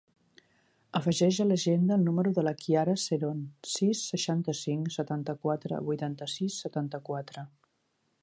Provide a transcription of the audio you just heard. Afegeix a l'agenda el número de la Kiara Seron: sis, seixanta-cinc, setanta-quatre, vuitanta-sis, setanta-quatre.